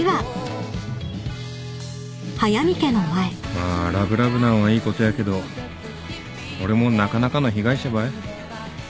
まあラブラブなんはいいことやけど俺もなかなかの被害者ばい。